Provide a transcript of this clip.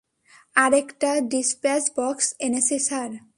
আরেকটা dispatch box এনেছি, sir.